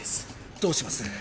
どうします？